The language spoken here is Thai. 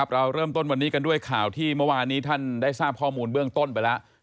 เราเริ่มต้นวันนี้กันด้วยข่าวที่เมื่อวานนี้ท่านได้ทราบข้อมูลเบื้องต้นไปแล้ว